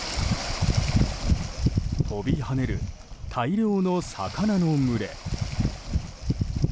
飛び跳ねる大量の魚の群れ。